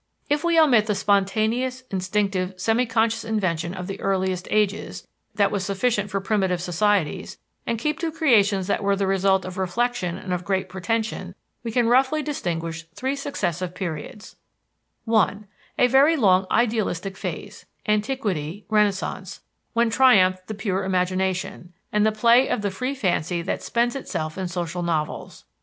If we omit the spontaneous, instinctive, semi conscious invention of the earliest ages, that was sufficient for primitive societies, and keep to creations that were the result of reflection and of great pretension, we can roughly distinguish three successive periods: (1) A very long idealistic phase (Antiquity, Renaissance) when triumphed the pure imagination, and the play of the free fancy that spends itself in social novels.